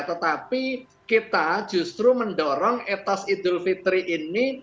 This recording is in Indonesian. tetapi kita justru mendorong etas idul fitri ini